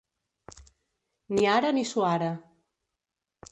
Ni ara ni suara.